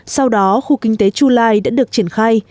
sau đó khu kinh tế chulai đã được triển khai